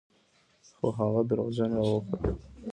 خو هغه دروغجن راوخوت.